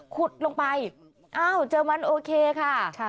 ขุดลงไปอ้าวเจอมันโอเคค่ะ